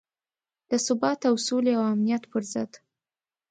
د ثبات او سولې او امنیت پر ضد.